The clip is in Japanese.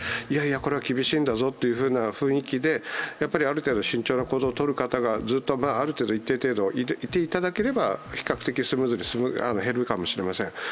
いやいやこれは厳しいんだぞという雰囲気である程度慎重な行動をとる方がずっと一定程度いていただければ比較的スムーズに減るかもしれません。